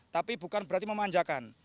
tapi bukan berarti memanjakan